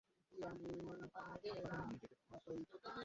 হাসপাতালে নিয়ে যেতে হবে!